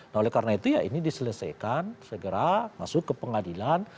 nah oleh karena itu ya ini diselesaikan segera masuk ke pengadilan